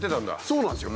そうなんですよ。